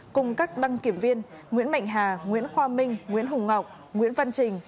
cùng các đăng kiểm viên nguyễn mạnh hà nguyễn khoa minh nguyễn hùng ngọc nguyễn văn trình